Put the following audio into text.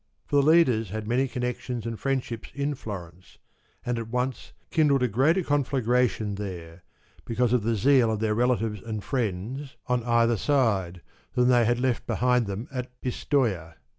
For the leaders had many connections and friendships in Florence, and at once kindled a greater conflagration there, because of the zeal of their relatives and friends I2Z on either side, than they had left behind them at Pistoia.